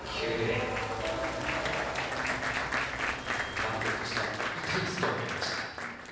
バルテルとしては痛いスコアになりました。